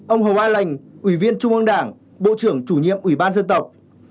một ông hồ ai lành ủy viên trung ương đảng bộ trưởng chủ nhiệm ủy ban dân tộc